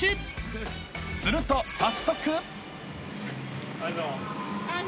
［すると早速］